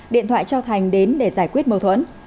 điện thoại cho thành đến để giải quyết mâu thuẫn